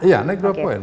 iya naik dua poin